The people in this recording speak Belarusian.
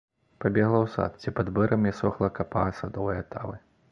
Пабегла ў сад, дзе пад бэрамі сохла капа садовай атавы.